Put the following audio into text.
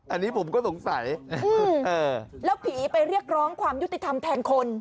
อันนี้ผมก็สงสัยแล้วผีไปเรียกร้องความยุติธรรมแทนคน